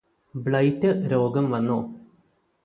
blight രോഗം വന്നോ